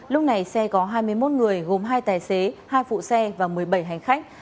lúc này xe có hai mươi một người gồm hai tài xế hai phụ xe và một mươi bảy hành khách